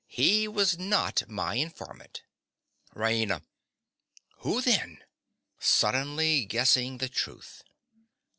He was not my informant. RAINA. Who then? (_Suddenly guessing the truth.